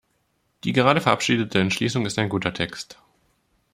Die gerade verabschiedete Entschließung ist ein guter Text.